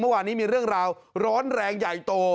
เมื่อวานนี้มีเรื่องราวร้อนแรงใหญ่โต